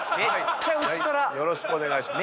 よろしくお願いします。